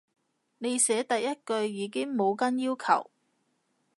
你寫第一句已經冇跟要求